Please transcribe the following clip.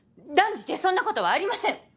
断じてそんなことはありません